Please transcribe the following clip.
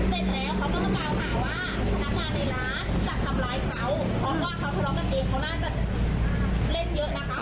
เพราะว่าเขาขอร้องกันเองเขาน่าจะเล่นเยอะนะคะ